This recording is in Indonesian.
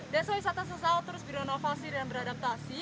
desa wisata sesau terus berinovasi dan beradaptasi